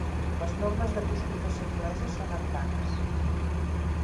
Les normes d'apostrofació angleses són arcanes.